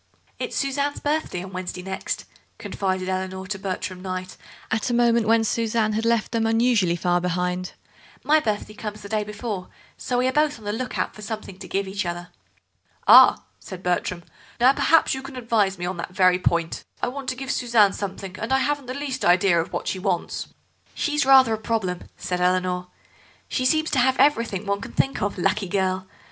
"It's Suzanne's birthday on Wednesday next," confided Eleanor to Bertram Kneyght at a moment when Suzanne had left them unusually far behind; "my birthday comes the day before, so we are both on the look out for something to give each other." "Ah," said Bertram. "Now, perhaps you can advise me on that very point. I want to give Suzanne something, and I haven't the least idea what she wants." "She's rather a problem," said Eleanor. "She seems to have everything one can think of, lucky girl.